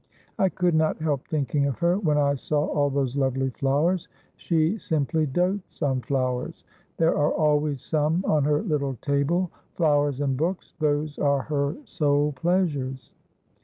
I could not help thinking of her when I saw all those lovely flowers; she simply dotes on flowers! There are always some on her little table; flowers and books, those are her sole pleasures."